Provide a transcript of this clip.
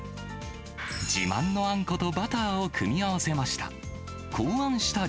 自慢のあんことバターを組み合わせました。